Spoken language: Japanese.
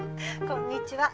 こんにちは。